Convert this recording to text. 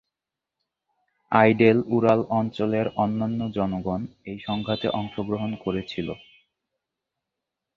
Idel-Ural অঞ্চলের অন্যান্য জনগণ এই সংঘাতে অংশগ্রহণ করেছিল।